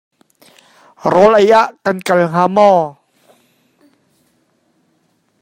Rawl ei ah kan kal hnga maw?